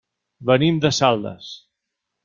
Venim de Saldes.